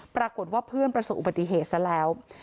ปรากฏว่าเพื่อนประสบอุบัติเหตุซะแล้ว